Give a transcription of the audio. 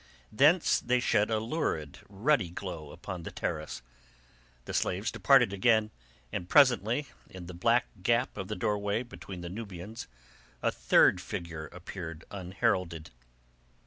Thence they shed a lurid ruddy glow upon the terrace. The slaves departed again, and presently, in the black gap of the doorway between the Nubians, a third figure appeared unheralded.